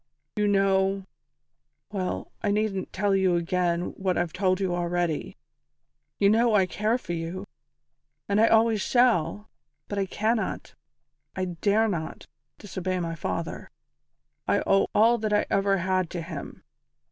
"You know well, I needn't tell you again what I've told you already. You know I care for you, and I always shall, but I cannot I dare not disobey my father. I owe all that I ever had to him.